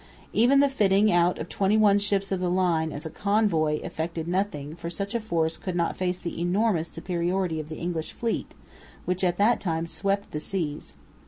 Even the fitting out of twenty one ships of the line, as a convoy, effected nothing, for such a force could not face the enormous superiority of the English fleet, which at that time swept the seas.